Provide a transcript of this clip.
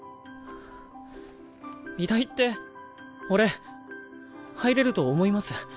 美大って俺入れると思います？